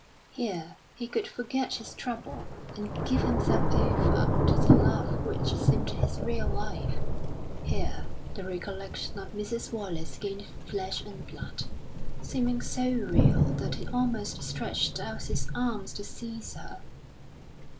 Here he could forget his trouble, and give himself over to the love which seemed his real life; here the recollection of Mrs. Wallace gained flesh and blood, seeming so real that he almost stretched out his arms to seize her....